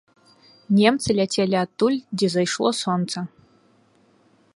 Немцы ляцелі адтуль, дзе зайшло сонца.